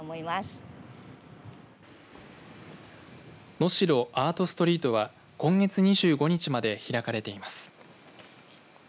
のしろアートストリートは今月２５日まで開かれています。